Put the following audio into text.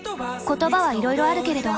言葉はいろいろあるけれど。